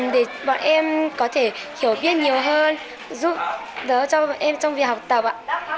để bọn em có thể hiểu biết nhiều hơn giúp đỡ cho em trong việc học tập ạ